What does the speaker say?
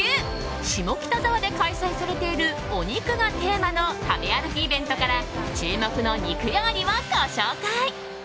下北沢で開催されているお肉がテーマの食べ歩きイベントから注目の肉料理をご紹介。